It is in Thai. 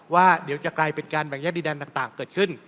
ว่าเดี๋ยวจะกลายเป็นการแบ่งแยกดินแดนต่างเกิดขึ้น